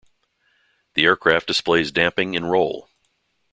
The aircraft displays damping in roll.